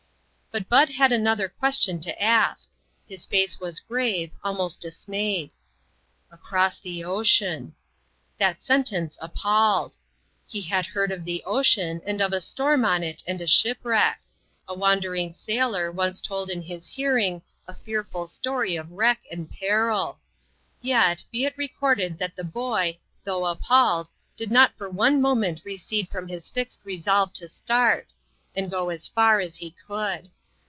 But Bud had another question to ask. His face was grave, almost dismayed. " Across the ocean !" That sentence appalled. He had heard of the ocean, and of a storm on it, and a shipwreck. A wandering sailor once told in his hearing a fearful story of wreck and peril. Yet, be it recorded that the boy, though appalled, did not for one moment recede from his fixed resolved to start, and go as far as he could.